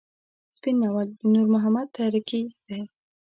سپين ناول د نور محمد تره کي دی.